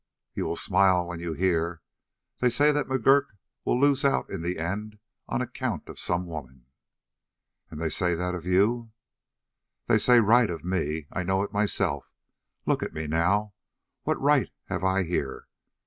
"You will smile when you hear. They say that McGurk will lose out in the end on account of some woman." "And they say that of you?" "They say right of me. I know it myself. Look at me now. What right have I here?